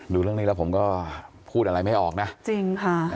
ดูเรื่องนี้แล้วผมก็พูดอะไรไม่ออกนะจริงค่ะ